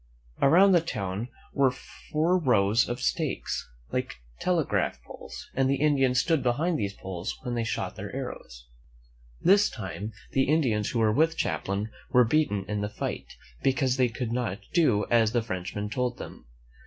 Around the town were four rows of stakes, like telegraph poles, and the Indians stood behind these poles when they shot their arrows. — i.;=^^ T ^■♦^'^^'^ THE MEN WHO FOUND AMERICA This time the Indians who were with Cham plain were beaten in the fight, because they would not do as the Frenchman told them.